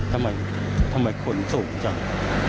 ทำไมทำไมคนสูงจัง